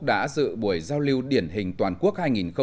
đã dự buổi giao lưu điển hình toàn quốc hai nghìn một mươi chín